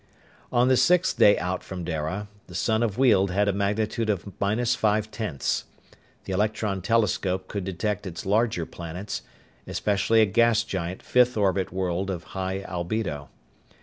On the sixth day out from Dara, the sun of Weald had a magnitude of minus five tenths. The electron telescope could detect its larger planets, especially a gas giant fifth orbit world of high albedo.